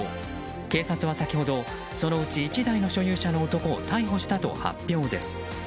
警察は先ほどそのうち１台の所有者を逮捕したと発表です。